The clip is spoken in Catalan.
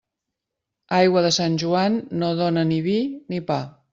Aigua de Sant Joan no dóna ni vi ni pa.